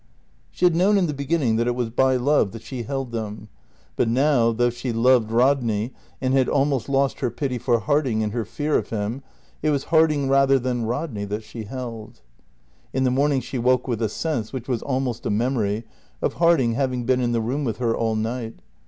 She had known in the beginning that it was by love that she held them; but now, though she loved Rodney and had almost lost her pity for Harding in her fear of him, it was Harding rather than Rodney that she held. In the morning she woke with a sense, which was almost a memory, of Harding having been in the room with her all night.